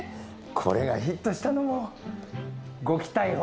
これがヒットしたのも「ゴキ逮捕！」